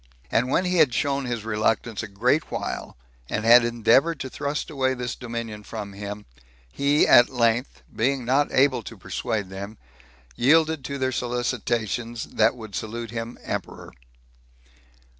And when he had shown his reluctance a great while, and had endeavored to thrust away this dominion from him, he at length, being not able to persuade them, yielded to their solicitations that would salute him emperor.